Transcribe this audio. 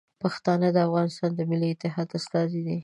پښتانه د افغانستان د ملي اتحاد استازي دي.